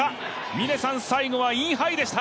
峰さん、最後はインハイでした！